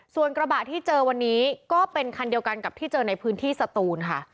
ส่วนกระบะที่เจอวันนี้ก็เป็นคันเดียวกันกับที่เจอในพื้นที่สตูนค่ะ